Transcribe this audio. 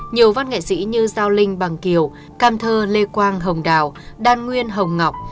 nhiều văn nghệ sĩ như giao linh bằng kiều cam thơ lê quang hồng đào đan nguyên hồng ngọc